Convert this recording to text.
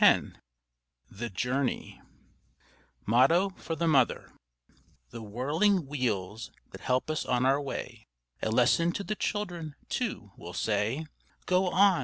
THE JOURNEY MOTTO FOR THE MOTHER _The whirling wheels, that help us on our way, A lesson to the children, too, will say: "Go on!